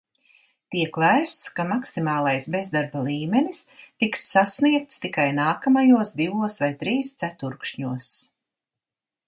Tiek lēsts, ka maksimālais bezdarba līmenis tiks sasniegts tikai nākamajos divos vai trīs ceturkšņos.